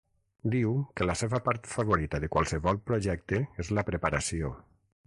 Diu que la seva part favorita de qualsevol projecte és la preparació.